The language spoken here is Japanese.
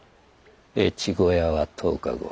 越後屋は１０日後。